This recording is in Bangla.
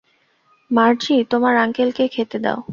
মার্জি, তোমার আঙ্কেলকে খেতে দাও!